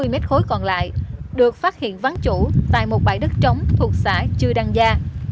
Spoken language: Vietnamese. bốn mươi mét khối còn lại được phát hiện vắng chủ tại một bãi đất trống thuộc xã chư đăng gia